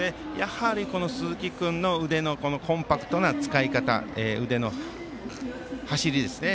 鈴木君の腕のコンパクトな使い方腕の走りですね。